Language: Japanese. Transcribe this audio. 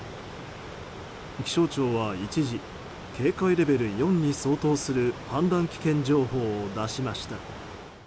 気象庁は一時警戒レベル４に相当する氾濫危険情報を出しました。